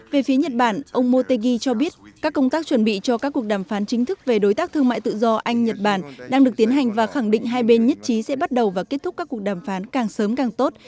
về phía nhật bản ông motegi cho biết các công tác chuẩn bị cho các cuộc đàm phán chính thức về đối tác thương mại tự do anh nhật bản đang được tiến hành và khẳng định hai bên nhất trí sẽ bắt đầu và kết thúc các cuộc đàm phán càng sớm càng tốt